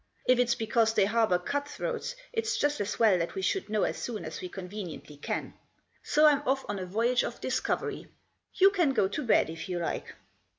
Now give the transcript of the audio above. If it's because they harbour cut throats, it's just as well that we should know as soon as we conveniently can. So Fm off on a voyage of discovery. You can go to bed if you like."